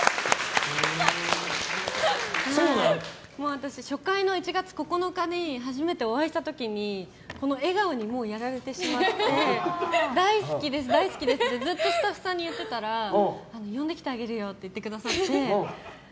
私、初回の１月９日に初めてお会いした時に笑顔にもうやられてしまって大好きです、大好きですってずっとスタッフさんに言ってたら呼んできてあげるよって言ってくださって。